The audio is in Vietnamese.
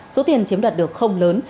số tiền chiếm đoạt được không lớn